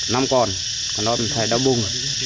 năm còn còn đó thầy đã bùng